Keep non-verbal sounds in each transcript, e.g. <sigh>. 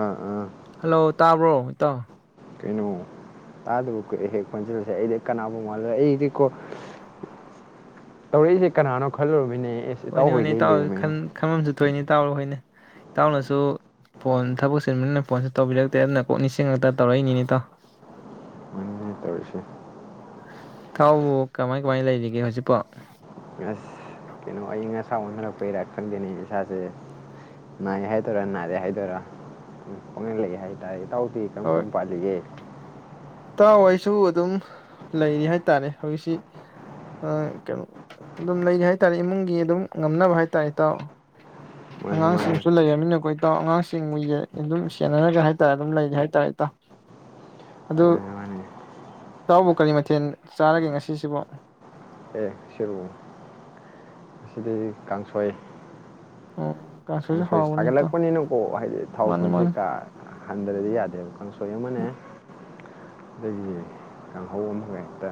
ꯑꯥ ꯑꯥ ꯍꯜꯂꯣ ꯇꯥꯕ꯭ꯔꯣ ꯏꯇꯥꯎ ꯀꯩꯅꯣ ꯇꯥꯗꯕ ꯀꯨꯏꯔꯦꯍꯦ ꯈꯣꯟꯖꯦꯜꯁꯦ ꯑꯩꯗꯤ ꯀꯅꯥꯕꯨ ꯃꯥꯜꯂꯨꯔꯦ ꯑꯩꯗꯤꯀꯣ ꯇꯧꯔꯛꯏꯁꯦ ꯀꯅꯥꯅꯣ ꯈꯜꯂꯨꯔꯤꯃꯤꯅꯦꯍꯦ ꯍꯣꯏꯅꯦ ꯍꯣꯏꯅꯦ ꯏꯇꯥꯎꯁꯨ ꯈꯟ ꯈꯟꯐꯝꯁꯨ ꯊꯣꯛꯏꯅꯦ ꯢꯇꯥꯎ ꯍꯣꯏꯅ ꯏꯇꯥꯎꯅꯁꯨ ꯐꯣꯟ ꯊꯕꯛ ꯁꯤꯟꯕꯅꯤꯅ ꯐꯣꯟꯁꯨ ꯇꯧꯕꯤꯔꯛꯇꯦ ꯑꯗꯨꯅ ꯀꯣꯛ ꯅꯤꯡꯁꯤꯡꯉꯛꯇꯅ ꯇꯧꯔꯛꯏꯅꯤꯅꯦ ꯏꯇꯥꯎ ꯇꯧꯔꯤꯁꯤ ꯏꯇꯥꯎꯕꯨ ꯀꯃꯥꯏ ꯀꯃꯥꯏ ꯂꯩꯔꯤꯒꯦ ꯍꯧꯖꯤꯛꯄꯣ ꯑꯁ ꯀꯩꯅꯣ ꯑꯏꯪ ꯑꯁꯥ ꯑꯣꯟꯅꯔꯛꯄꯩꯔꯥ ꯈꯪꯗꯦꯅꯦ ꯏꯁꯥꯁꯦ ꯅꯥꯏꯑꯦ ꯍꯥꯏꯗꯣꯏꯔꯥ ꯅꯥꯗꯦ ꯍꯥꯏꯗꯣꯏꯔꯥ ꯄꯥꯪꯂꯩ ꯂꯩ ꯍꯥꯏꯇꯥꯔꯦ ꯏꯇꯥꯎꯗꯤ ꯀꯔꯝ ꯍꯣꯏ ꯀꯔꯝ ꯄꯥꯜꯂꯤꯒꯦ ꯏꯇꯥꯎ ꯑꯩꯁꯨ ꯑꯗꯨꯝ ꯂꯩꯔꯤ ꯍꯥꯏ ꯇꯥꯔꯦ ꯍꯧꯖꯤꯛꯁꯤ ꯀꯩꯅꯣ ꯑꯗꯨꯝ ꯂꯩꯔꯤ ꯍꯥꯏ ꯇꯥꯔꯦ ꯏꯃꯨꯡꯒꯤ ꯑꯗꯨꯝ ꯉꯝꯅꯕ ꯍꯥꯏ ꯇꯥꯔꯦ ꯏꯇꯥꯎ ꯃꯥꯅꯤ ꯃꯥꯅꯤ ꯑꯉꯥꯡꯁꯤꯡꯁꯨ ꯂꯩꯔꯕꯅꯤꯅꯥ ꯑꯩꯈꯣꯏ ꯏꯇꯥꯎ ꯑꯉꯥꯡꯁꯤꯡꯕꯨ ꯑꯗꯨꯝ ꯁꯦꯟꯅꯔꯒ ꯍꯥꯏ ꯇꯥꯔꯦ ꯑꯗꯨꯝ ꯂꯩꯔꯤ ꯍꯥꯏ ꯇꯥꯔꯦ ꯏꯇꯥꯎ ꯑꯗꯨ ꯃꯥꯅꯤ ꯃꯥꯅꯤ ꯏꯇꯥꯎꯕꯨ ꯀꯔꯤ ꯃꯊꯦꯜ ꯆꯥꯔꯒꯦ ꯉꯁꯤꯁꯤꯕꯣ ꯁꯣꯏꯕꯨꯝ ꯀꯥꯡꯁꯣꯏ ꯑꯣ ꯀꯥꯡꯁꯣꯏꯁꯨ ꯀꯥꯡꯁꯣꯏ ꯍꯥꯎꯕꯅꯤ ꯏꯇꯥꯎ ꯁꯥꯒꯠꯂꯛꯄꯅꯤꯅꯀꯣ ꯍꯥꯏꯗꯤ ꯊꯥꯎ ꯃꯥꯅꯤ ꯊꯨꯝꯁꯤ ꯃꯥꯅꯤ ꯀꯥ ꯍꯟꯊ꯭ꯗꯔꯗꯤ ꯌꯥꯗꯦ ꯀꯥꯡꯁꯣꯏ ꯑꯃꯅꯦ ꯑꯗꯒꯤ ꯀꯥꯡꯍꯧ ꯑꯃꯥꯒ ꯍꯦꯛꯇ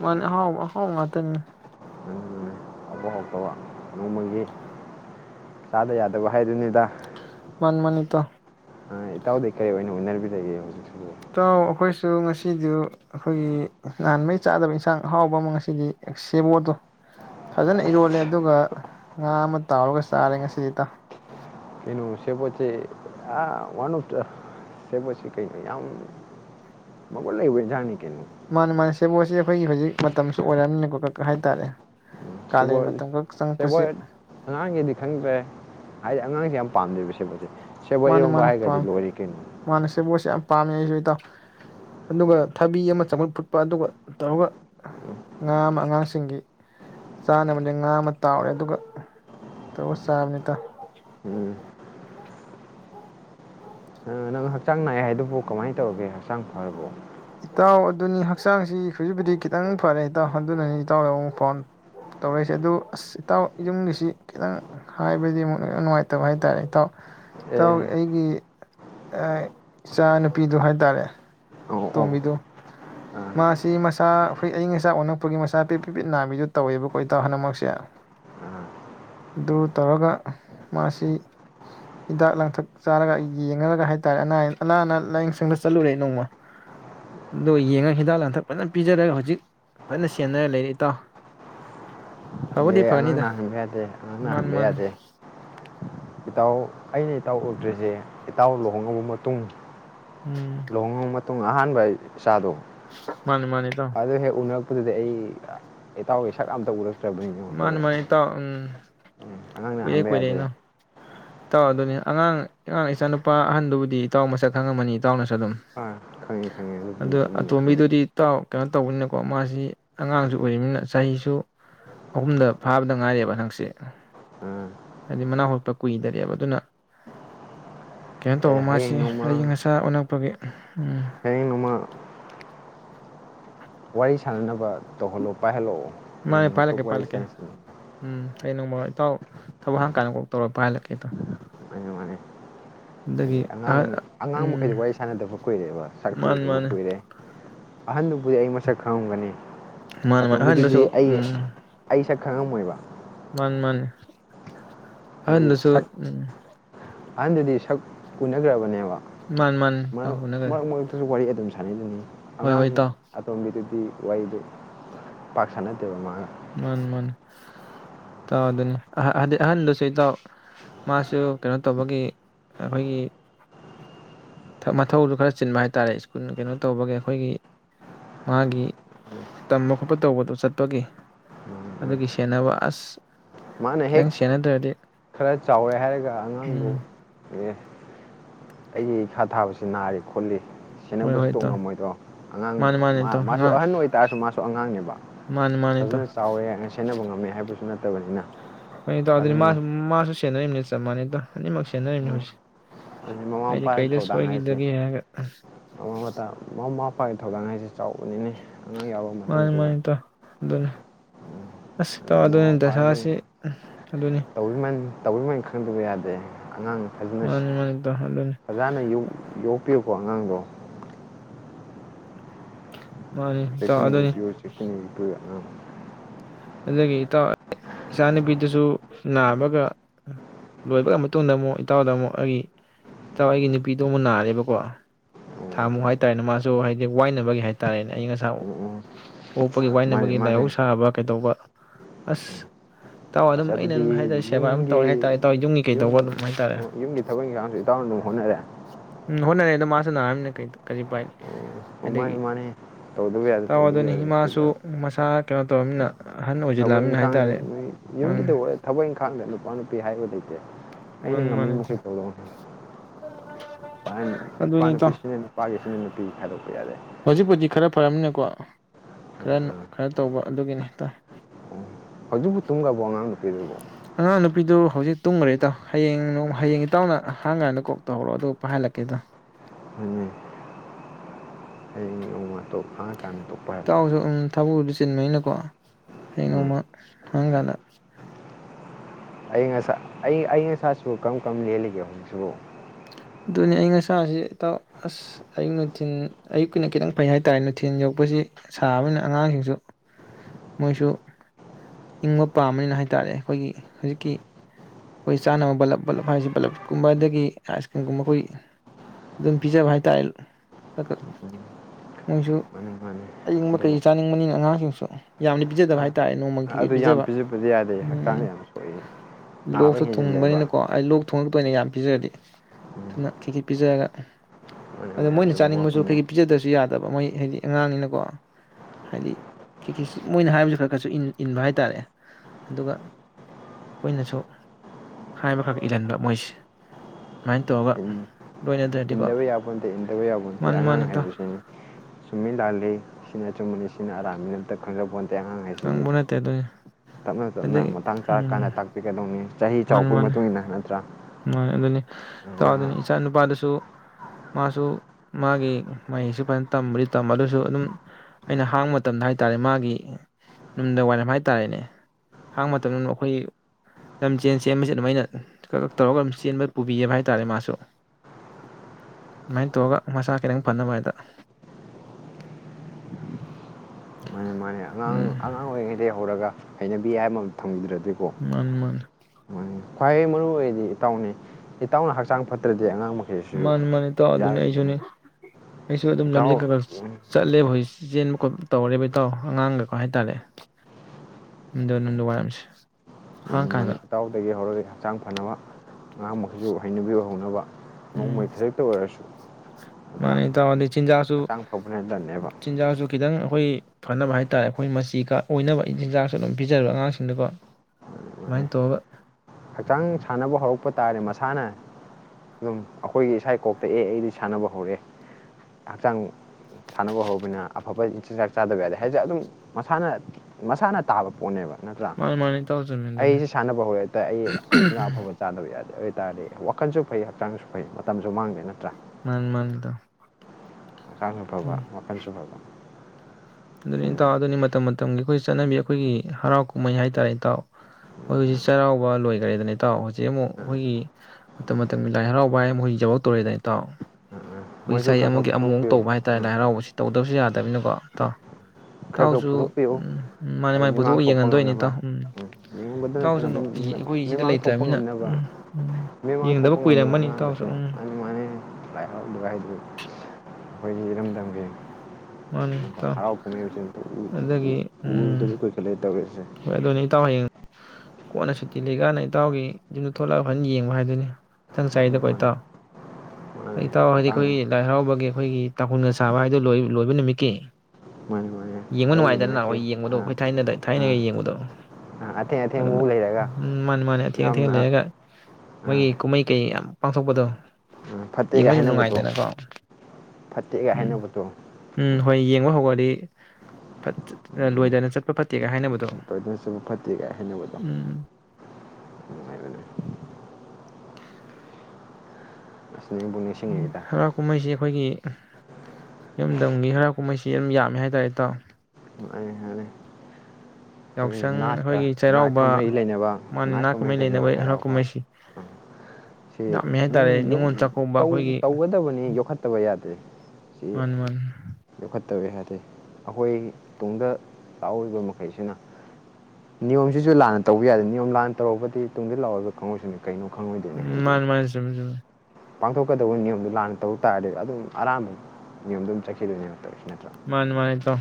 ꯃꯥꯟꯅꯤ ꯑꯍꯥꯎ ꯑꯍꯥꯎ ꯉꯥꯛꯇꯅꯤ ꯍꯧꯇꯕ ꯅꯣꯡꯃꯒꯤ ꯆꯥꯗ ꯌꯥꯗꯕ ꯍꯥꯏꯗꯨꯅꯤ ꯃꯥꯟꯅꯤ ꯃꯥꯟꯅꯤ ꯏꯇꯥꯎ ꯏꯇꯥꯎꯗꯤ ꯀꯔꯤ ꯑꯣꯏꯅ ꯎꯅꯕꯤꯔꯒꯦ ꯍꯧꯖꯤꯛꯁꯤꯕꯨ ꯏꯇꯥꯎ ꯑꯩꯈꯣꯏꯁꯨ ꯉꯁꯤꯗꯤ ꯑꯩꯈꯣꯏꯒꯤ ꯅꯥꯍꯟꯈꯩ ꯆꯥꯗꯕ ꯏꯟꯁꯥꯡ ꯑꯍꯥꯎꯕ ꯑꯃ ꯉꯁꯤꯗꯤ ꯁꯦꯕꯣꯠꯇꯣ ꯐꯖꯅ ꯏꯔꯣꯜꯂꯦ ꯑꯗꯨꯒ ꯉꯥ ꯑꯃ ꯇꯥꯎꯔꯒ ꯆꯥꯔꯦ ꯉꯁꯤꯗꯤ ꯏꯇꯥꯎ ꯀꯩꯅꯣ ꯁꯦꯕꯣꯠ ꯁꯦ ꯌꯥꯝ ꯑꯥꯟ ꯑꯣꯞ ꯗ ꯁꯦꯕꯣꯠꯁꯦ ꯀꯩꯅꯣ ꯌꯥꯝ ꯃꯒꯨꯟ ꯂꯩꯒꯔ꯭ ꯖꯥꯠꯅꯤ ꯀꯩꯅꯣ ꯃꯥꯅꯦ ꯃꯥꯅꯦ ꯁꯦꯕꯣꯁꯦ ꯑꯩꯈꯣꯏꯒꯤ ꯍꯧꯖꯤꯛ ꯃꯇꯝꯁꯨ ꯑꯣꯏꯔꯕꯔꯕꯅꯤꯅꯀꯣ ꯀ ꯍꯥꯏꯇꯥꯔꯦ ꯀꯥꯂꯦꯟ ꯁꯦꯕꯣꯠ ꯃꯇꯝ ꯈꯛ ꯆꯪꯉꯛꯄꯁꯤ ꯁꯦꯕꯣꯠ ꯑꯉꯥꯡꯒꯤꯗꯤ ꯈꯪꯗ꯭ꯔꯦ ꯍꯥꯏꯗꯤ ꯑꯉꯥꯡꯁꯦ ꯌꯥꯝ ꯄꯥꯝꯗꯦꯕ ꯁꯦꯕꯣꯠꯁꯤꯗꯤ ꯁꯦꯕꯣꯠ ꯃꯥꯅꯤ ꯏꯔꯣꯝꯕ ꯃꯥꯅꯤ ꯍꯥꯏꯔꯒꯗꯤ ꯄꯥꯝꯃꯤ ꯂꯣꯏꯔꯦ ꯀꯩꯅꯣ ꯃꯥꯅꯤ ꯁꯦꯕꯣꯠꯁꯦ ꯌꯥꯝ ꯄꯥꯝꯃꯦ ꯑꯩꯁꯨ ꯏꯇꯥꯎ ꯑꯗꯨꯒ ꯊꯕꯤ ꯑꯃ ꯆꯝꯈꯨꯠ ꯐꯨꯠꯄ ꯑꯗꯨꯒ ꯇꯧꯔꯒ ꯉꯥ ꯑꯃ ꯑꯉꯥꯡꯁꯤꯡꯒꯤ ꯆꯥꯅꯕꯅꯦ ꯉꯥ ꯑꯃ ꯇꯥꯎꯔꯦ ꯑꯗꯨꯒ ꯇꯧꯔꯒ ꯆꯥꯕꯅꯤ ꯏꯇꯥꯎ ꯎꯝ ꯅꯪ ꯍꯛꯆꯥꯡ ꯅꯥꯏ ꯍꯥꯏꯗꯨꯕꯨ ꯀꯃꯥꯏꯅ ꯇꯧꯔꯒꯦ ꯍꯛꯆꯥꯡ ꯐꯔꯕꯣ ꯏꯇꯥꯎ ꯑꯗꯨꯅꯤ ꯍꯛꯆꯥꯡꯁꯤ ꯍꯧꯖꯤꯛꯄꯨꯗꯤ ꯈꯤꯇꯪ ꯐꯔꯦ ꯏꯇꯥꯎ ꯑꯗꯨꯅꯅꯤ ꯏꯇꯥꯎꯗ ꯑꯃꯨꯛ ꯐꯣꯟ ꯇꯧꯔꯛꯏꯁꯦ ꯑꯗꯨ ꯑꯁ ꯏꯇꯥꯎ ꯌꯨꯝꯒꯤꯁꯤ ꯈꯤꯇꯪ ꯍꯥꯏꯕꯗꯤ ꯑꯃꯨꯛ ꯅꯨꯡꯉꯥꯏꯇꯕ ꯍꯥꯏ ꯇꯔꯦ ꯏꯇꯥꯎ ꯑꯦ ꯏꯇꯥꯎ ꯑꯩꯒꯤ ꯑꯥ ꯏꯆꯥ ꯅꯨꯨꯄꯤꯗꯨ ꯍꯥꯏꯇꯥꯔꯦ ꯑꯣ ꯑꯣ ꯇꯣꯝꯕꯤꯗꯨ ꯑꯥ ꯃꯥꯁꯤ ꯃꯁꯥ ꯑꯈꯣꯏ ꯑꯏꯪ ꯑꯁꯥ ꯑꯣꯉꯛꯄꯒꯤ ꯃꯁꯥ ꯑꯄꯤ ꯄꯤꯄꯤꯠ ꯅꯥꯕꯤꯗ ꯇꯧꯋꯦꯕꯀꯣ ꯏꯇꯥꯎ ꯍꯅꯃꯛꯁꯦ ꯑꯥ ꯑꯗꯨ ꯇꯧꯔꯒ ꯃꯥꯁꯤ ꯍꯤꯗꯥꯛ ꯂꯥꯡꯊꯛ ꯆꯥꯔꯒ ꯌꯦꯡꯉꯔꯒ ꯍꯥꯏꯇꯥꯔꯦ ꯑ ꯑꯅꯥ ꯑꯅꯥ ꯂꯥꯏꯌꯦꯡꯁꯪꯗ ꯆꯠꯂꯨꯔꯦ ꯅꯣꯡꯃ ꯑꯗꯣ ꯌꯦꯡꯉ ꯍꯤꯗꯥꯛ ꯂꯥꯡꯊꯛ ꯐꯖꯅ ꯄꯤꯖꯔꯒ ꯍꯧꯖꯤꯛ ꯐꯖꯅ ꯁꯦꯟꯅꯔ ꯂꯩꯔꯦ ꯏꯇꯥꯎ ꯐꯕꯗꯤ ꯐꯅꯤꯗ ꯍꯥꯡꯕ ꯌꯥꯗꯦ ꯑꯉꯥꯡ ꯃꯥꯅꯤ ꯅꯍꯟꯕ ꯃꯥꯅꯤ ꯌꯥꯗꯦ ꯏꯇꯥꯎ ꯑꯩꯅ ꯏꯇꯥꯎ ꯎꯗ꯭ꯔꯤꯁꯦ ꯏꯇꯥꯎ ꯂꯨꯍꯣꯡꯡꯂꯕ ꯃꯇꯨꯡ ꯎꯝ ꯇꯨꯡ ꯑꯥꯍꯥꯟꯕ ꯆꯥꯗꯣ ꯃꯥꯅꯤ ꯃꯥꯅꯤ ꯏꯇꯥꯎ ꯑꯗꯨ ꯍꯦꯛ ꯎꯅ <inaudible> ꯗꯨꯗꯤ ꯑꯩ ꯏꯇꯥꯎꯒꯤ ꯁꯛ ꯑꯃ ꯃꯥꯅꯦ ꯃꯥꯅꯤ ꯏꯇꯧ ꯎꯝ ꯑꯉꯥꯡꯅ ꯍꯟꯕ ꯌꯥꯗꯦ ꯇꯥꯎ ꯑꯗꯨꯅꯤ ꯑꯉꯥꯡ ꯑꯉꯥꯡ ꯏꯆꯥꯅꯨꯄꯥ ꯑꯍꯟꯗꯨꯕꯨꯗꯤ ꯏꯇꯥꯎ ꯃꯁꯛ ꯈꯪꯉꯝꯃꯅꯤ ꯏꯥꯎꯅꯁꯨ ꯑꯗꯨꯝ ꯑꯥ ꯈꯪꯉꯦ ꯈꯪꯉꯦ ꯑꯗꯨ ꯃꯁꯛ ꯃꯟꯅ ꯈꯪꯉꯤ ꯑꯇꯣꯝꯕꯤꯗꯨꯗꯤ ꯏꯇꯥꯎ ꯀꯩꯅꯣ ꯇꯧꯕꯅꯤꯅꯀꯣ ꯃꯥꯁꯤ ꯑꯉꯥꯡꯁꯨ ꯑꯣꯏꯝꯅꯤꯅ ꯆꯍꯤꯁꯨ ꯑꯍꯨꯝꯗ ꯐꯥꯕꯗ ꯉꯥꯏꯔꯦꯕ ꯍꯟꯗꯛꯁꯦ ꯑꯥ ꯍꯥꯏꯗꯤ ꯃꯅꯥ ꯍꯨꯛꯄ ꯀꯨꯏꯗꯔꯦꯕ ꯑꯗꯨꯅ ꯀꯩꯅꯣ ꯑꯦ ꯇꯧꯔ ꯃꯥꯁꯤ ꯍꯌꯦꯡ ꯑꯏꯪ ꯅꯣꯡꯃ ꯑꯁꯥ ꯑꯣꯂꯛꯄꯒꯤ ꯎꯝ ꯍꯌꯦꯡ ꯅꯣꯡꯃ ꯋꯥꯔꯤ ꯁꯥꯟꯅꯅꯕ ꯇꯧꯍꯜꯂꯣ ꯄꯥꯏꯍꯜꯂꯛꯑꯣ ꯃꯥ ꯍꯌꯦꯡ ꯅꯣꯡꯃ ꯇꯣꯛ ꯄꯥꯏꯍꯜꯂꯛꯀꯦ ꯋꯥꯔꯤ ꯄꯥꯏꯍꯜꯂꯛꯀꯦ ꯁꯥꯟꯅꯁꯤ ꯎꯝ ꯍꯌꯦꯡ ꯅꯣꯡꯃ ꯏꯇꯥꯎ ꯊꯕꯛ ꯍꯥꯡ ꯀꯥꯟꯅ ꯀꯣꯛ ꯇꯧꯔ ꯄ ꯍꯜꯂꯛꯀꯦꯗꯣ ꯃꯥꯅꯦ ꯃꯥꯅꯦ ꯑꯗꯒꯤ ꯍꯥꯏꯗꯤ ꯑꯍꯟ ꯑꯉꯥꯡ ꯑꯉꯥꯡ ꯎꯝ ꯃꯈꯩꯗ ꯋꯥꯔꯤ ꯁꯥꯟꯅꯗꯕ ꯀꯨꯏꯔꯦꯕ ꯁꯥꯛ ꯃꯥꯅꯤ ꯁꯨꯗꯕ ꯃꯥꯅꯤ ꯀꯨꯏꯔꯦ ꯑꯍꯟꯗꯨꯕꯨꯗꯤ ꯑꯩ ꯁꯛ ꯈꯡꯉꯝꯒꯅꯤ ꯃꯥꯅꯤ ꯃꯥꯅꯤ ꯑꯇꯣꯝꯕꯤꯗꯨꯗ ꯑꯍꯟꯗꯨꯁꯨ ꯑꯩ ꯎꯝ ꯑꯩ ꯁꯛ ꯈꯪꯉꯝꯃꯣꯏꯕ ꯃꯥꯅꯤ ꯃꯥꯅꯤ ꯍꯥꯏꯗꯤ ꯑꯍꯟꯗꯨꯁꯨ ꯁꯛ ꯎꯝ ꯑꯍꯟꯗꯨꯗꯤ ꯁꯛ ꯎꯟꯅꯒꯔꯕꯅꯦꯕ ꯃꯥꯅꯦ ꯃꯥꯅꯦ <unintelligible> ꯁꯥꯅꯩꯗꯨꯅꯦ ꯑꯉꯥꯡꯅꯦ ꯑꯇꯣꯝꯕꯤꯗꯨꯗꯤ ꯋꯥꯔꯤꯗꯨ ꯄꯛ ꯁꯟꯅꯗꯦꯕ ꯃꯥ ꯃꯥꯅꯤ ꯃꯥꯅꯤ ꯇꯥꯎ ꯑꯗꯨꯅꯤ ꯍꯥꯏꯗꯤ ꯑꯍꯟꯗꯨꯁꯨ ꯏꯇꯥꯎ ꯃꯥꯁꯨ ꯀꯩꯅꯣ ꯇꯧꯕꯒꯤ ꯑꯩꯈꯣꯏꯒꯤ ꯃꯊꯧꯗꯨ ꯈꯔ ꯆꯤꯟꯕ ꯍꯥꯏ ꯇꯥꯔꯦ ꯁ꯭ꯀꯨꯜ ꯀꯩꯅꯣ ꯇꯧꯕꯒꯤ ꯑꯩꯈꯣꯏꯒꯤ ꯃꯥꯒꯤ ꯇꯝꯕ ꯈꯣꯠꯄ ꯇꯧꯕꯗꯣ ꯆꯠꯄꯒꯤ ꯑꯗꯨꯒꯤ ꯁꯦꯟꯅꯕ ꯑꯁ ꯃꯥꯅ ꯍꯦꯛ ꯈꯤꯇꯪ ꯁꯦꯟꯅꯗ꯭ꯔꯗꯤ ꯈꯔ ꯆꯥꯎꯔꯦ ꯍꯥꯏꯔꯒ ꯑꯉꯥꯡꯕꯨ ꯎꯝ ꯑꯦ ꯑꯩꯒꯤ ꯏꯈꯥ ꯊꯥꯕꯁꯤ ꯅꯥꯔꯤ ꯈꯣꯠꯂꯤ ꯍꯣꯏ ꯁꯦꯟꯅꯕꯁꯨ ꯍꯣꯏ ꯇꯣꯛ ꯏꯇꯥꯎ ꯉꯝꯃꯣꯏꯗꯣ ꯑꯉꯥꯡ ꯃꯥꯅꯤ ꯃꯥꯅꯤ ꯏꯇꯥꯎ ꯃꯥꯁꯨ ꯑꯉꯥꯡ ꯑꯍꯟ ꯑꯣꯏꯇꯥꯔꯁꯨ ꯃꯥꯁꯨ ꯑꯉꯥꯡꯅꯦꯕ ꯃꯥꯅꯤ ꯃꯥꯅꯤ ꯏꯇꯥꯎ ꯐꯖꯅ ꯆꯥꯎꯔꯦ ꯍꯥꯏꯅ ꯁꯦꯟꯅꯕ ꯉꯝꯃꯦ ꯍꯥꯏꯕꯁꯨ ꯁꯨ ꯅꯠꯇꯕꯅꯤꯅ ꯑꯩ ꯑꯗꯨ ꯃꯥ ꯑꯗꯨꯅꯤ ꯃꯥꯁꯁꯤꯦ ꯆꯞ ꯃꯥꯟꯅꯗꯣ ꯑꯅꯤꯃꯛ ꯁꯦꯟꯅꯔꯤꯕꯅꯦ ꯍꯧꯖꯤꯁꯦ ꯑꯗꯨ ꯃꯃꯥ ꯃꯄꯥ ꯊꯧꯗꯥꯡ ꯍꯥꯏꯔꯤꯁꯦ ꯃꯃꯥ ꯃ ꯃ ꯏꯄꯥꯒꯤ ꯊꯧꯗꯥꯡ ꯍꯥꯏꯁꯦ ꯆꯥꯎꯕꯅꯤꯅꯦ ꯑꯉꯥꯡ ꯌꯥꯎꯕ ꯃꯇꯨꯡꯁꯤꯗ ꯗꯣꯅꯦ ꯑꯁ ꯑꯗꯨꯅ ꯇꯧ ꯃꯃꯥ ꯑꯗꯨꯅꯤ ꯃꯄꯥꯒꯤ ꯗꯁꯥꯁꯤ ꯑꯗꯨꯅꯤ ꯇꯧꯔꯤꯃꯟ ꯇꯧꯔꯤꯃꯟ ꯈꯪꯗꯕ ꯌꯥꯗꯦ ꯑꯉꯥꯡ ꯐꯖꯅ ꯃꯥꯅꯤ ꯃꯥꯅꯤ ꯏꯇꯥꯎ ꯑꯗꯨꯅꯤ ꯐꯖꯥꯅ ꯌ ꯌꯣꯛꯄꯤꯌꯨ ꯀꯣꯛ ꯑꯉꯥꯡꯗ ꯃꯥꯅꯤ ꯏꯇꯥꯎ ꯑꯗꯨꯅꯤ ꯆꯦꯁꯅꯉꯕꯤꯌꯨ ꯆꯦꯁꯅꯕ ꯑꯗꯨꯗꯒꯤ ꯏꯇꯥꯎ ꯏꯆꯥꯅꯨꯄꯤꯗꯨꯁꯨ ꯅꯥꯕꯒ ꯂꯣꯏꯕꯒ ꯃꯇꯨꯡꯗ ꯑꯃꯨꯛ ꯏꯇꯥꯎꯗ ꯑꯃꯨꯛ ꯑꯩꯒꯤ ꯏꯇꯥꯎ ꯑꯩꯒꯤ ꯅꯨꯄꯤꯗꯨꯣ ꯑꯃꯨꯛ ꯅꯥꯔꯦꯕꯀꯣ ꯑꯣ ꯊꯥꯃꯨꯛ ꯍꯥꯏ ꯇꯥꯔꯦꯅꯦ ꯃꯥꯁꯨ ꯍꯥꯏꯗꯤ ꯋꯥꯏꯅꯕꯒꯤ ꯍꯥꯏ ꯇꯥꯔꯦꯅꯦ ꯑꯏꯪ ꯑꯁꯥ ꯑꯣ ꯑꯣ ꯑꯣꯛꯄꯒꯤ ꯃꯥꯅꯦ ꯋꯥꯏꯅꯕꯒꯤ ꯃꯥꯅꯦ ꯂꯥꯏꯍꯧ ꯁꯥꯕ ꯀꯩꯗꯧꯕ ꯑꯁ ꯏꯇꯥꯎ ꯑꯁ ꯑꯗꯨꯝ ꯑꯩꯅ ꯑꯗꯨꯗꯤ ꯑꯗꯨꯝ ꯍꯥꯏꯇꯥꯔꯦ ꯁꯦꯕꯥ ꯑꯗꯨꯝ ꯌꯨꯝꯒꯤ ꯇꯧꯔꯦ ꯍꯥꯏꯇꯥꯔꯦ ꯏꯇꯥꯎ ꯌꯨꯝꯒꯤ ꯌꯨꯝ ꯀꯩꯗꯧꯕ ꯑꯗꯨꯝ ꯍꯥꯏꯇꯥꯔꯦ ꯌꯨꯝꯒꯤ ꯊꯕꯛ ꯏꯟꯈꯥꯡꯁꯨ ꯏꯇꯥꯎꯅ ꯑꯗꯨꯝ ꯍꯣꯠꯅꯔꯑꯦ ꯍꯣꯠꯅꯔ ꯑꯗꯣ ꯃꯥꯁꯨ ꯅꯥꯔꯝꯃꯤꯅꯤ ꯀ ꯀꯔꯤ ꯄꯥꯏ ꯑꯣ ꯑꯣ ꯑꯗꯒꯤ ꯃꯥꯅꯤ ꯃꯥꯅꯤ ꯇꯧꯗꯕ ꯌꯥꯗꯦ ꯇꯥꯎ ꯇꯧꯗꯕ ꯑꯗꯨꯅꯤ ꯌꯥꯗꯦ ꯏꯤꯃꯥꯁꯨ ꯁꯤꯗ ꯃꯁꯥ ꯀꯩꯅꯣ ꯇꯣꯝꯅ ꯊꯕꯛ ꯏꯪꯈꯥꯡ ꯎꯝ ꯌꯨꯝꯒꯤꯗ ꯑꯣꯏꯔꯦ ꯊꯕꯛ ꯏꯪꯈꯥꯡꯗ ꯅꯨꯄꯥ ꯅꯨꯄꯤ ꯍꯥꯏꯕ ꯂꯩꯇꯦ ꯑꯩꯅ ꯃꯥꯅꯤ ꯃꯥꯅꯤ ꯉꯝꯅꯤꯡ ꯃꯈꯩ ꯏꯇꯥꯎ ꯇꯧꯗꯧꯅꯤ ꯅꯨꯄꯥ ꯑꯗꯨꯅꯤ ꯏꯇꯥꯎ ꯅꯨꯄꯤꯁꯤꯅ ꯅꯨꯄꯥꯒꯤꯁꯤꯅ ꯅꯨꯄꯤ ꯈꯥꯏꯗꯣꯛꯄ ꯌꯥꯗꯦ ꯍꯧꯖꯤꯛꯄꯨꯗꯤ ꯈꯔ ꯐꯔꯝꯅꯤꯅꯀꯣ ꯈꯔ ꯈꯔ ꯇꯧꯕ ꯑꯗꯨꯒꯤꯅꯤ ꯍꯥꯏꯇꯥꯔꯦ ꯍꯧꯖꯨꯕꯨ ꯇꯨꯡꯒꯕꯉꯅ ꯀꯣ ꯑꯉꯥꯡ ꯅꯨꯄꯤꯗꯨ ꯍꯧꯖꯤꯛ ꯇꯨꯝꯈ꯭ꯔꯦꯗꯣ ꯍꯌꯦꯡ ꯍꯌꯦꯡ ꯏꯇꯥꯎꯅ ꯑꯍꯥꯡ ꯀꯥꯟꯗ ꯀꯣꯛ ꯇꯧꯍꯧꯔꯑꯣ ꯑꯗꯨꯒ ꯄꯥꯏꯍꯜꯂꯛꯀꯦꯗꯣ ꯍꯣꯏꯅꯤ ꯇꯣꯛ ꯍꯥꯡꯉꯀꯥꯟꯗ ꯇꯣꯛꯄ ꯍꯥꯏꯕ꯭ꯔꯣ ꯏꯇꯥꯑꯣ ꯊꯕ ꯆꯤꯟꯕꯩꯅꯀꯣ ꯍꯌꯦꯡ ꯎꯝ ꯅꯣꯡꯃ ꯍꯪꯥꯡ ꯀꯥꯟꯗ ꯑꯩ ꯉꯁꯥ ꯑꯩ ꯑꯩ ꯉꯁꯥꯁꯨ ꯀꯔꯝ ꯀꯔꯝ ꯂꯦꯜꯂꯤꯒꯦ ꯍꯧꯖꯤꯛꯁꯤꯕꯨ ꯑꯗꯨꯅꯤ ꯑꯏꯪ ꯑꯁꯥꯁꯤꯇ ꯑꯁ ꯑꯌꯨꯛ ꯅꯨꯡꯊꯤꯤꯟ ꯑꯌꯨꯛꯀꯤꯅ ꯈꯤꯇꯪ ꯐꯩ ꯍꯥꯏ ꯇꯥꯔꯦ ꯅꯨꯡꯊꯤꯤꯟ ꯌꯣꯛꯄꯁꯤ ꯁꯥꯕꯅꯤꯅ ꯑꯉꯥꯡꯁꯤꯡꯁꯨ ꯃꯣꯏꯁꯨ ꯏꯪꯕ ꯄꯥꯝꯕꯅꯤꯅ ꯍꯥꯏ ꯇꯥꯔꯦ ꯑꯩꯈꯣꯏꯒꯤ ꯍꯧꯖꯤꯛꯀꯤ ꯑꯩꯈꯣꯏ ꯆꯥꯅꯕ ꯕꯂꯞ ꯕꯂꯞ ꯍꯥꯏꯁꯦ ꯕꯂꯞ ꯀꯨꯝꯕ ꯑꯗꯒꯤ ꯑꯥꯏꯁ ꯀ꯭ꯔꯤꯝꯒꯨꯝꯕ ꯑꯩꯈꯣꯏ ꯑꯗꯨꯝ ꯄꯤꯖꯕ ꯍꯥꯏ ꯇꯥꯔꯦ ꯃꯣꯏꯁꯨ ꯃꯥꯅꯤ ꯃꯥꯅꯤ ꯑꯏꯪꯕ ꯑꯗꯨ ꯀꯩ ꯆꯥꯅꯤꯡꯕꯅꯤꯅ ꯑꯉꯥꯡꯁꯤꯡꯁꯨ ꯌꯥꯝꯅ ꯄꯤꯖꯗꯕ ꯍꯥꯏꯇꯥꯔꯦ ꯅꯣꯡꯃ ꯀꯩꯀꯩ ꯑꯗꯨ ꯌꯥꯝ ꯄꯤꯖꯕ ꯄꯤꯖꯕꯗꯤ ꯌꯥꯗꯦ ꯍꯛꯆꯥꯡꯗ ꯎꯝ ꯌꯥꯝ ꯀꯣꯛꯏꯌꯦ ꯂꯣꯛꯁꯨ ꯊꯨꯡꯕꯅꯤꯅꯀꯣ ꯑꯩ ꯂꯣꯛ ꯐꯛ ꯊꯣꯡꯂꯛꯇ ꯑꯣꯏꯅ ꯌꯥꯝ ꯄꯤꯖꯔꯗꯤ ꯑꯗꯨꯅ ꯀꯩ ꯀꯩ ꯄꯤꯖꯔꯒ ꯃꯅꯤ ꯑꯗ ꯃꯌꯥꯝꯁꯨ ꯃꯣꯏꯅ ꯆꯥꯅꯤꯡꯕꯁꯨ ꯃꯋꯥꯐꯝꯅꯦ ꯀꯩ ꯄꯤꯖꯗꯕꯁꯨ ꯌꯥꯗꯦ ꯐꯠꯇꯕ ꯃꯣꯏ ꯍꯥꯏꯗꯤ ꯑꯉꯥꯡꯅꯤꯅꯀꯣ ꯍꯥꯏꯗꯤ ꯈꯤꯈꯤꯁꯨ ꯃꯣꯏꯅ ꯍꯥꯏꯕꯁꯨ ꯈꯔ ꯈꯔꯁꯨ ꯏꯟꯕ ꯍꯥꯏꯇꯥꯔꯦ ꯑꯗꯨꯒ ꯑꯩꯈꯣꯏꯅꯁꯨ ꯍꯥꯏꯕ ꯈꯛꯈꯛ ꯏꯜꯍꯟꯕ ꯃꯣꯏꯁꯦ ꯁꯨꯃꯥꯏꯅ ꯇꯧꯔꯒ ꯂꯣꯏꯅꯗ꯭ꯔ ꯏꯟꯗꯕ ꯌꯥꯕꯣꯟꯗꯦ ꯏꯟꯗꯕ ꯌꯥꯕꯣꯟꯗꯦ ꯑꯉꯥꯡ ꯏꯇꯥꯎ ꯍꯥꯏꯕꯁꯤꯅꯤ ꯆꯨꯝꯃꯤ ꯂꯥꯜꯂꯤ ꯁꯤꯅ ꯑꯆꯨꯝꯕꯅꯤ ꯁꯤꯅ ꯑꯔꯥꯟꯕꯅꯤ ꯑꯝꯇ ꯈꯪꯖꯄꯣꯟ ꯑꯗꯩ ꯑꯉꯥꯡ ꯍꯥꯏꯁꯤꯗꯤ ꯈꯪꯕ ꯅꯠꯇꯦ ꯑꯗꯨꯅꯤ ꯇꯞꯅ ꯇꯞꯅ ꯑꯗꯒꯤ ꯃꯇꯥꯡ ꯆꯥꯔꯀꯥꯟꯗ ꯎꯝ ꯇꯥꯛꯄꯤꯒꯗꯧꯅꯤ꯫ ꯆꯍꯤ ꯃꯥꯅꯤ ꯆꯥꯎꯔꯛꯄꯒꯤ ꯃꯥꯅꯤ ꯃꯇꯨꯡ ꯏꯟꯅ ꯅꯠꯇ꯭ꯔꯥ? ꯃꯥꯅꯤ ꯑꯗꯨꯅꯤ ꯑꯗꯨꯅ ꯑꯗꯨꯅꯤ ꯏꯆꯥ ꯅꯨꯄꯥꯗꯨꯁꯨ ꯃꯥꯁꯨ ꯃꯥꯒꯤ ꯃꯍꯩꯁꯨ ꯐꯖꯅ ꯇꯝꯕꯗꯤ ꯇꯝꯕ ꯑꯗꯨꯁꯨ ꯑꯗꯨꯝ ꯑꯩꯅ ꯍꯥꯡꯕ ꯃꯇꯝꯗ ꯍꯥꯏ ꯇꯥꯔꯦ ꯃꯥꯒꯤ ꯅꯨꯡꯗꯥꯡ ꯋꯥꯏꯔꯝ ꯍꯥꯏ ꯇꯥꯔꯦꯅꯦ ꯍꯥꯡꯕ ꯃꯇꯝꯗ ꯑꯗꯨꯝ ꯑꯩꯈꯣꯏꯒꯤ ꯂꯝ ꯆꯦꯟ ꯆꯦꯟꯕꯁꯦ ꯑꯗꯨꯝ ꯑꯩ ꯈꯛ ꯈꯛ ꯇꯧꯔꯒ ꯑꯗꯨꯝ ꯆꯦꯟꯕ ꯄꯨꯕꯤꯑꯦꯕ ꯍꯥꯏꯇꯥꯔꯦ ꯃꯥꯁꯨ ꯑꯗꯨꯃꯥꯏꯅ ꯇꯧꯔꯒ ꯃꯁꯥ ꯈꯤꯇꯪ ꯐꯅꯕ ꯍꯥꯏꯗ ꯃꯥꯅꯦ ꯃꯥꯅꯦ ꯎꯝ ꯑꯉꯥꯡ ꯑꯣꯏꯔꯤꯉꯩꯗꯒꯤ ꯍꯧꯔꯒ ꯍꯩꯅꯕꯤ ꯍꯥꯏꯕꯃ ꯊꯝꯕꯤꯗ꯭ꯔꯗꯤ ꯀꯣ ꯃꯥꯅꯤ ꯃꯥꯅꯤ <unintelligible> ꯈ꯭ꯋꯥꯏ ꯃꯔꯨ ꯑꯣꯏꯗꯤ ꯏꯇꯥꯎꯅꯤ ꯏꯇꯥꯎꯅ ꯍꯛꯆꯥꯡ ꯐꯠꯇ꯭ꯔꯗꯤ ꯑꯉꯥꯡ ꯃꯈꯩꯁꯤꯁꯨ ꯃꯥꯅꯤ ꯃꯥꯅꯤ ꯏꯇꯥꯎ ꯑꯗꯨꯅꯤ ꯌꯥꯔꯣꯏꯗꯕꯅꯤ ꯑꯩꯖꯨꯅꯤ ꯑꯩꯁꯨ ꯑꯗꯨꯝ ꯂꯝꯖꯦꯟ ꯏꯇꯥꯎ ꯈ ꯈ ꯆꯠꯂꯦꯕ ꯍꯨꯖꯤꯛꯁ ꯆꯦꯟꯕ ꯈꯣꯠꯄ ꯇꯧꯔꯦꯕꯥ ꯏꯇꯥꯎ ꯑꯉꯥꯡꯒꯀꯣ ꯍꯥꯏꯇꯥꯔꯦ ꯅꯨꯡꯗ ꯅꯨꯡꯗꯥꯡ ꯋꯥꯏꯔꯝꯁꯦ ꯍꯥꯡ ꯃꯥꯅꯦ ꯀꯥꯟꯗ꯫ ꯃꯥꯅꯦ ꯏꯇꯥꯎꯗꯒꯤ ꯍꯧꯔꯒ ꯍꯛꯆꯥꯡ ꯐꯅꯕ ꯑꯉꯥꯡ ꯃꯈꯩꯁꯨ ꯍꯩꯅꯕꯤ ꯑꯣꯏꯍꯧꯅꯕ ꯎꯝ ꯅꯣꯡꯃꯩ ꯈꯖꯤꯛꯇ ꯑꯣꯏꯔꯁꯨ ꯅꯠꯇ꯭ꯔꯥ ꯃꯥꯅꯤ ꯏꯇꯥꯎ ꯑꯗꯩ ꯆꯤꯟꯖꯥꯛꯁꯨ ꯍꯛꯆꯥꯡ ꯐꯕꯅ ꯗꯟꯅꯦꯕ ꯆꯤꯟꯖꯥꯛꯁꯨ ꯈꯤꯇꯪ ꯑꯩꯈꯣꯏ ꯐꯅꯕ ꯍꯥꯏꯇꯥꯥꯔꯦ ꯑꯩꯈꯣꯏ ꯃꯆꯤ ꯀ ꯑꯣꯏꯅꯕ ꯏꯆꯤꯟꯖꯥꯛꯁꯨ ꯑꯗꯨꯝ ꯄꯤꯖꯔꯔꯕ ꯑꯉꯥꯡꯁꯤꯡꯗꯀꯣ ꯃꯥꯅꯦ ꯑꯗꯨꯃꯥꯏꯅ ꯇꯧꯔꯒ ꯍꯛꯆꯥꯡ ꯁꯥꯟꯅꯕ ꯍꯧꯔꯛꯄ ꯇꯥꯔꯗꯤ ꯃꯁꯥꯅ ꯑꯗꯨꯝ ꯑꯩꯈꯣꯏꯒꯤ ꯏꯁꯥ ꯀꯣꯛꯇ ꯑꯦ ꯑꯩꯗꯤ ꯁꯥꯟꯅꯕ ꯍꯧꯔꯛꯑꯦ ꯍꯛꯆꯥꯡ ꯁꯥꯟꯅꯕ ꯍꯧꯕꯅꯤꯅ ꯑꯐꯕ ꯏꯆꯤꯟꯖꯥꯛ ꯆꯥꯗꯕ ꯌꯥꯗꯦ ꯍꯥꯏꯁꯦ ꯑꯗꯨꯝ ꯃꯁꯥꯅ ꯃꯁꯥꯅ ꯇꯥꯕ ꯄꯣꯠꯅꯦꯕ ꯅꯠꯇ꯭ꯔꯥ ꯃꯥꯅꯤ ꯃꯥꯅꯤ ꯏꯇꯥꯎ ꯆꯨꯝꯃꯤ ꯑꯗꯨꯅꯤ ꯑꯩꯁꯦ ꯁꯥꯟꯅꯕ ꯍꯔꯦ ꯍꯥꯏꯇꯥ ꯑꯩ ꯁꯤꯅ ꯑꯐꯕ ꯆꯥꯅꯕꯤ ꯑꯗꯨ ꯑꯣꯏꯇꯥꯔꯗꯤ ꯋꯥꯈꯟꯁꯨ ꯐꯩ ꯍꯛꯆꯥꯡꯁꯨ ꯐꯩ ꯃꯇꯝꯁꯨ ꯃꯥꯡꯗꯦ ꯅꯠꯇ꯭ꯔꯥ? ꯃꯥꯅꯤ ꯃꯥꯅꯤ ꯏꯇꯥꯎ ꯍꯛꯆꯥꯡꯁꯨ ꯐꯕ ꯋꯥꯈꯟꯁꯨ ꯐꯕ ꯑꯗꯨꯅꯦ ꯁꯤꯅꯤ ꯏꯇꯥꯎ ꯑꯗꯨꯅꯤ ꯃꯇꯝ ꯃ ꯃꯇꯝꯒꯤ ꯑꯩꯈꯣꯏꯒꯤ ꯆꯠꯅꯕꯤ ꯑꯩꯈꯣꯏꯒꯤ ꯍꯔꯥꯎ ꯀꯨꯝꯍꯩ ꯍꯥꯏꯇꯥꯔꯦ ꯏꯇꯥꯎ ꯑꯩꯈꯣꯏ ꯍꯧꯖꯤꯛ ꯆꯩꯔꯥꯎꯕ ꯂꯣꯏꯈꯔꯦꯗꯅ ꯏꯇꯥꯎ ꯍꯧꯖꯤꯛ ꯑꯃꯨꯛ ꯑ, ꯑ, ꯑꯩꯈꯣꯏꯒꯤ ꯃꯇꯝ ꯃꯇꯝꯒꯤ ꯂꯥꯏ ꯍꯔꯥꯎꯕ ꯍꯥꯏ ꯑꯃꯨꯛ ꯍꯧꯖꯤꯛ ꯌꯧꯔꯛꯇꯧꯔꯦꯗꯅ ꯏꯇꯥꯎ꯫ ꯑ. ꯑꯩꯈꯣꯏ ꯃꯣꯏꯁꯨ ꯆꯍꯤ ꯈꯔ ꯈꯔ ꯑꯃꯒꯤ ꯄꯨꯊꯣꯛꯄꯤꯌꯨ ꯑꯃꯨꯃꯨꯛꯇꯧꯕ ꯍꯥꯏꯇꯥꯔꯦ ꯎꯝ ꯂꯥꯏ ꯍꯔꯥꯎꯕꯁꯤ ꯇꯧꯗꯕꯁꯨ ꯌꯥꯗ ꯇꯞꯃꯤꯅꯀꯣ ꯏꯇꯥꯎ ꯈꯔ ꯈꯔ ꯄꯨꯊꯣꯛꯄꯤꯎ ꯎꯝ ꯎꯝ ꯃꯥꯅꯦ ꯍꯥꯏꯗꯤ ꯃꯥꯅꯦ ꯃꯤꯃꯥꯡ ꯄꯨꯊꯣꯛꯑ ꯊꯣꯛꯄ ꯌꯦꯡꯍꯟꯗꯣꯏꯅꯤ ꯉꯝꯅꯕ ꯏꯇꯥꯎ ꯎꯝ ꯌꯦꯡꯕꯇ ꯏꯇꯥꯎꯁꯨ ꯅꯠꯇꯅ ꯑꯩꯈꯣꯏ ꯁꯤꯗ ꯃꯤꯃꯥꯡ ꯊꯣꯛꯄ ꯂꯩꯇ꯭ꯔꯕꯅꯤꯅ ꯉꯝꯅꯕ ꯎꯝ ꯎꯝ ꯃꯤꯃꯥꯡ ꯌꯦꯡꯗꯕ ꯊꯣꯛꯄ ꯉꯝꯅꯕ ꯀꯨꯏꯔꯝꯃꯅꯤ ꯏꯇꯥꯎꯁꯨ ꯑꯉꯥꯡꯗꯨꯁꯨ ꯎꯝ ꯑꯗꯨ ꯃꯥꯅ ꯂꯥꯏ ꯍꯔꯥꯎꯕꯒ ꯍꯥꯏꯗꯨ ꯑꯩꯈꯣꯏꯒꯤ ꯏꯔꯝꯗꯝꯒꯤ ꯃꯥꯅꯤ ꯏꯇꯥꯎ ꯑꯗꯨꯗꯒꯤ ꯎꯝ ꯎꯗꯕ ꯀꯨꯏꯁꯤꯜꯂꯛꯑꯦ ꯇꯧꯔꯤꯁ ꯍꯣꯏ ꯑꯗꯨꯅꯤ ꯏꯇꯥꯎ ꯍꯌꯦꯡ ꯀꯣꯟꯅ ꯁꯨꯇꯤ ꯂꯩꯀꯥꯟꯅ ꯏꯇꯥꯎꯒꯤ ꯌꯨꯝꯗ ꯊꯣꯛꯂꯛꯑ ꯐꯖꯅ ꯌꯦꯡꯕ ꯍꯥꯏꯗꯨꯅꯤ ꯃꯊꯪ ꯃꯥꯅꯤ ꯆꯍꯤꯥꯗꯀꯣ ꯃꯥꯅꯤ ꯏꯇꯥꯎ꯫ ꯃꯥꯅꯤ ꯏꯇꯥꯎ ꯍꯣꯏꯗꯤ ꯃꯇꯥꯡ ꯈꯣꯏꯒꯤ ꯂꯥꯏ ꯍꯔꯥꯎꯕꯒꯤ ꯑꯩꯈꯣꯏꯒꯤ ꯇꯥꯡꯈꯨꯟꯒ ꯁꯥꯕ ꯍꯥꯏꯗꯣ ꯂꯣꯏ ꯂꯣꯏꯕꯕ ꯅꯨꯃꯤꯠꯀꯤ ꯃꯥꯅꯤ ꯃꯥꯅꯤ ꯌꯦꯡꯕ ꯑꯔꯣꯏꯕ ꯅꯨꯡꯉꯥꯏꯗꯅ ꯅꯨꯃꯤꯠꯀꯤ ꯑꯩꯈꯣꯏ ꯌꯦꯡꯕꯗꯣ ꯑꯥ ꯑꯩꯈꯣꯏ ꯊꯥꯏꯅꯗ ꯑꯥ ꯊꯥꯏꯅꯒ ꯌꯦꯡꯕꯗꯣ꯫ ꯑꯊꯦꯡ ꯑꯗꯨꯝꯕ ꯑꯊꯦꯡꯕꯕꯨ ꯂꯩꯔꯒ ꯎꯝ ꯃꯥꯅꯦ ꯃꯥꯅꯦ ꯑꯊꯦꯡ ꯑꯊꯦꯡ ꯃꯌꯥꯝꯅ ꯂꯩꯔꯒ ꯃꯣꯏꯒꯤ ꯀꯨꯝꯍꯩ ꯀꯩ ꯌꯥꯝ ꯄꯥꯡꯊꯣꯛꯄꯗꯣ ꯐꯠꯇꯦꯒ ꯌꯦꯡꯕꯁꯨ ꯌꯥꯝ ꯍꯥꯏꯅꯕꯗꯣ ꯅꯨꯡꯉꯥꯏꯗꯅꯀꯣ ꯐꯠꯇꯦꯒ ꯎꯝ ꯍꯥꯏꯅꯕꯗꯣ ꯎꯝ ꯍꯣꯏ ꯌꯦꯡꯕ ꯍꯧꯔꯗꯤ ꯂꯣꯏꯗꯅ ꯆꯠꯄ ꯐꯠꯇꯦꯒ ꯍꯥꯏꯅꯕꯗꯣ <unintelligible> ꯐꯠꯇꯦꯒꯥꯏ <unintelligible> ꯎꯝ ꯑꯁ ꯅꯤꯡꯕꯨ ꯅꯤꯡꯁꯤꯡꯉꯛꯏꯗ ꯍꯔꯥꯎ ꯀꯨꯝꯍꯩꯁꯦ ꯑꯩꯈꯣꯏꯒꯤ ꯏꯔꯝꯗꯝꯒꯤ ꯍꯔꯥꯎ ꯀꯨꯝꯍꯩꯁꯤ ꯌꯥꯝ ꯌꯥꯝꯃꯦ ꯍꯥꯏꯇꯥꯔꯦ ꯏꯇꯥꯎ ꯃꯥꯅꯤ ꯃꯥꯅꯤ ꯌꯥꯎꯁꯪ ꯑꯩꯈꯣꯏꯒꯤ ꯅꯥꯠꯀ ꯑꯩꯈꯣꯏꯒꯤ ꯆꯩꯔꯥꯎꯕ ꯅꯥꯠꯀ ꯃꯔꯤ ꯂꯩꯅꯕ ꯃꯥ ꯅꯥꯠꯀ ꯃꯔꯤ ꯂꯩꯅꯕ ꯍꯔꯥꯎ ꯍꯔꯥꯎꯕ ꯀꯨꯝꯍꯩꯁꯤ ꯁꯤ ꯌꯥꯝꯃꯤ ꯍꯥꯏꯇꯥꯔꯦ ꯅꯤꯉꯣꯜ ꯆꯥꯛꯀꯧꯕ ꯑꯩꯈꯣꯏꯒꯤ ꯇꯧꯒꯗꯕꯅꯤ ꯌꯣꯛꯈꯠꯇꯕ ꯌꯥꯗꯦ ꯁꯤ ꯃꯥꯅꯤ ꯃꯥꯅꯤ <unintelligible> <unintelligible> ꯇꯧꯋꯤ ꯍꯥꯏꯔꯗꯤ ꯑꯩꯈꯣꯏ ꯇꯨꯡꯗ ꯂꯥꯛꯔꯤꯕ ꯃꯈꯩꯁꯤꯅ ꯅꯤꯌꯣꯝꯁꯤꯁꯨ ꯂꯥꯟꯅ ꯇꯧꯕ ꯌꯥꯗꯦ ꯅꯤꯌꯣꯝ ꯂꯥꯟꯅ ꯇꯧꯔꯨꯔꯕꯗꯤ ꯇꯨꯡꯗ ꯂꯥꯛꯏꯔꯤꯕ ꯈꯪꯍꯧꯁꯤꯅꯤ ꯀꯩꯅꯣ ꯈꯪꯉꯣꯏꯗꯣꯏꯅꯦ ꯍꯥꯏ ꯃꯥꯥꯟꯅꯤ ꯃꯥꯥꯟꯅꯤ ꯆꯨꯨꯝꯃꯤ ꯆꯨꯨꯝꯃꯤ ꯄꯥꯡꯊꯣꯛꯀꯗꯧꯕ ꯅꯤꯌꯣꯝꯗꯣ ꯂꯥꯟꯅ ꯇꯧ ꯇꯥꯔꯗꯤ ꯑꯗꯨꯝ ꯑꯔꯥꯟꯕ ꯅꯤꯌꯣꯝ ꯑꯗꯨꯝ ꯆꯠꯈꯤꯗꯣꯏꯅꯦꯕ ꯇꯧꯔꯤꯁꯤ ꯅꯠꯇ꯭ꯔꯥ ꯃꯥꯅꯤ ꯃꯥꯅꯤ ꯏꯇꯥꯎ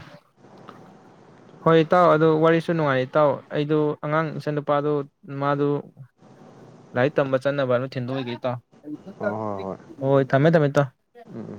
ꯍꯣꯏ ꯏꯇꯥꯎ ꯑꯗ ꯋꯥꯔꯤꯁꯨ ꯅꯨꯡꯉꯥꯏ ꯏꯇꯥꯎ ꯑꯩꯗꯣ ꯑꯉꯥꯡ ꯏꯆꯟꯅꯨꯨꯄꯥꯗꯨ ꯃꯥꯗꯨ ꯂꯥꯏꯔꯤꯛ ꯇꯝꯕ ꯆꯠꯅꯕ ꯑꯃ ꯊꯤꯟꯗꯣꯛꯏꯒꯦ ꯏꯇꯥꯎ ꯍꯣꯏ ꯍꯣꯏ ꯍꯣꯏ ꯊꯝꯃꯦ ꯊꯝꯃꯦ ꯏꯇꯥꯎ ꯎꯝ ꯎꯝ꯫